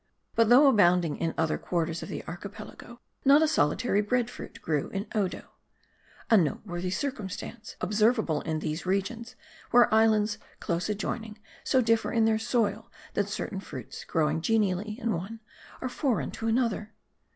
But though abounding in other quarters of the Archipelago, not a solitary bread fruit grew in Odo. A noteworthy circumstance, observable in these regions, where islands close adjoining, so differ in their soil, that certain fruits growing genially in one, are foreign to another.